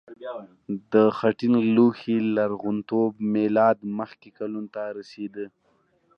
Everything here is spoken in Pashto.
د خټین لوښي لرغونتوب میلاد مخکې کلونو ته رسیده.